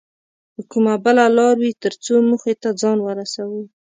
که کومه بله لاره وي تر څو موخې ته ځان ورسوو